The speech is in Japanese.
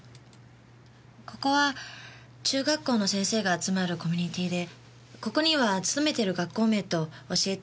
ここは中学校の先生が集まるコミュニティーでここには勤めてる学校名と教えてる教科を書き込んでいます。